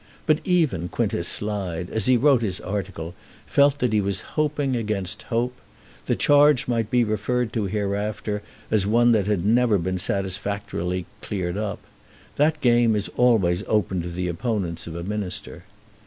But even Quintus Slide, as he wrote his article, felt that he was hoping against hope. The charge might be referred to hereafter as one that had never been satisfactorily cleared up. That game is always open to the opponents of a minister.